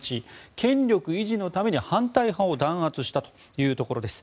権力維持のために反対派を弾圧したというところです。